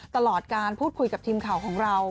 ตลอดการพูดคุยกับทีมข่าวของเรา